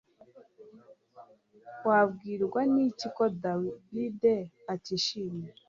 Wabwirwa niki ko David atishimye